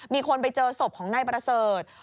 มีคนไปเจอศพของนายประเสริฐ